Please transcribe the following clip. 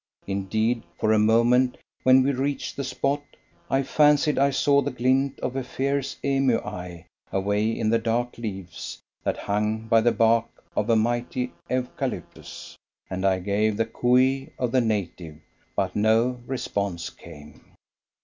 Indeed, for a moment, when we reached the spot, I fancied I saw the glint of a fierce emu eye away in the dark leaves that hung by the bark of a mighty Eucalyptus, and I gave the cooee of the native, but no response came.